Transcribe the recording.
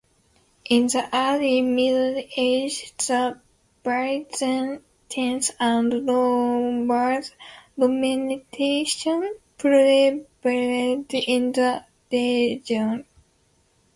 In the early Middle Ages, the Byzantine and Lombard dominations prevailed in the region.